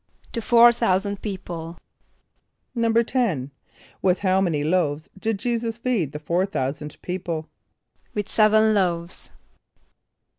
=To four thousand people.= =10.= With how many loaves did J[=e]´[s+]us feed the four thousand people? =With seven loaves.